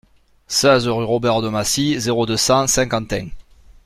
seize rue Robert de Massy, zéro deux, cent Saint-Quentin